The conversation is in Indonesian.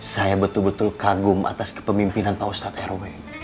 saya betul betul kagum atas kepemimpinan pak ustadz erwin